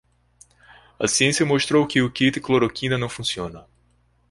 A ciência mostrou que o kit cloroquina não funciona